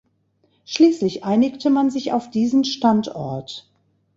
Schließlich einigte man sich auf diesen Standort.